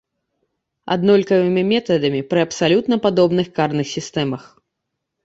Аднолькавымі метадамі пры абсалютна падобных карных сістэмах.